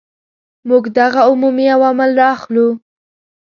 موږ دغه عمومي عوامل را اخلو.